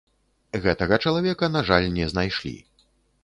Гэтага чалавека, на жаль, не знайшлі.